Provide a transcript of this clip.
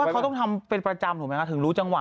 ก็ต้องทำเป็นภาจ่ำถูกมั้ยครับถึงรู้จังหวะ